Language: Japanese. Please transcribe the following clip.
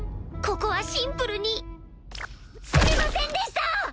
ここはシンプルに！すみませんでした！